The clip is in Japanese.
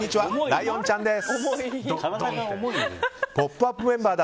ライオンちゃんです。